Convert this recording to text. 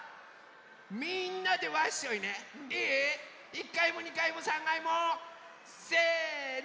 １かいも２かいも３がいも。せの！